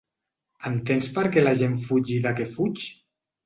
Entens per què la gent fuig i de què fuig.